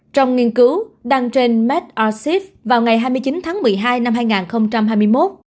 trong nghiên cứu đăng trên made arsef vào ngày hai mươi chín tháng một mươi hai năm hai nghìn hai mươi một